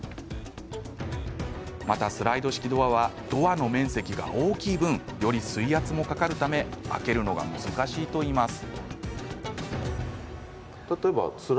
またスライド式はドアの面積が大きい分より水圧もかかるため開けるのが難しいといいます。